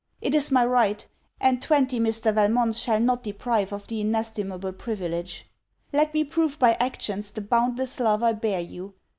It is my right; and twenty Mr. Valmonts shall not deprive of the inestimable privilege. Let me prove by actions the boundless love I bear you.